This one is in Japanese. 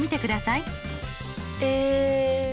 え。